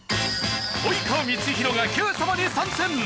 及川光博が『Ｑさま！！』に参戦！